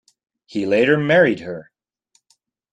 He later married her.